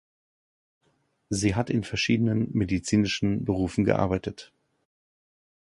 Sie hat in verschiedenen medizinischen Berufen gearbeitet.